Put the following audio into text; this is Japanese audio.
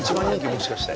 もしかして。